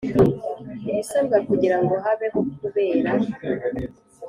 Ibisabwa kugira ngo habeho kubera